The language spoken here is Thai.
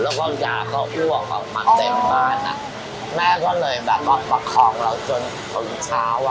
แล้วก็ยาเขาอ้วกออกมาเต็มบ้านอ่ะแม่ก็เลยแบบว่าประคองเราจนถึงเช้าอ่ะ